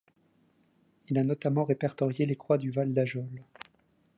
Il a notamment répertorié les croix du Val d'Ajol.